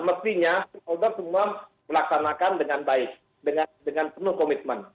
mestinya stakeholder semua melaksanakan dengan baik dengan penuh komitmen